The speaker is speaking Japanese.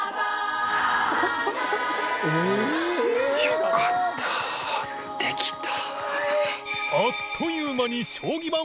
よかったできた。